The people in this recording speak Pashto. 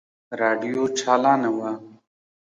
راډيو چالانه وه.